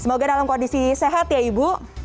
semoga dalam kondisi sehat ya ibu